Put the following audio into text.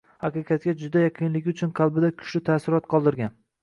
Haqiqatga juda yaqinligi uchun qalbida kuchli taassurot qoldirgan